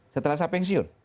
setelah saya pensiun